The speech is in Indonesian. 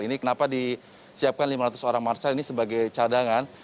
ini kenapa disiapkan lima ratus orang marcel ini sebagai cadangan